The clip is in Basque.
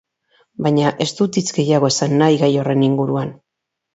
Baina ez dut hitz gehiago esan nahi gai horren inguruan.